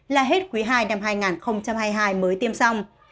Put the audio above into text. là hết quý ii năm hai nghìn hai mươi hai mới tiêm xong